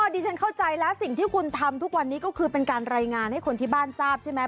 ดิฉันเข้าใจแล้วสิ่งที่คุณทำทุกวันนี้ก็คือเป็นการรายงานให้คนที่บ้านทราบใช่ไหม